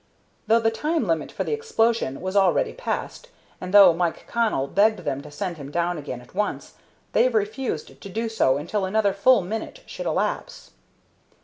Though the time limit for the explosion was already passed, and though Mike Connell begged them to send him down again at once, they refused to do so until another full minute should elapse.